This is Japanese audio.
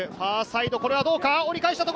ファーサイド、これはどうか？